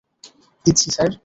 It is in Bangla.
দিচ্ছি, স্যার।